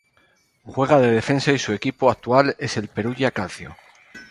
Juega de defensa y su equipo actual es el Perugia Calcio.